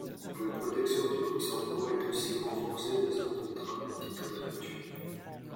La protection du consentement est aussi renforcée dans un contrat à titre gratuit.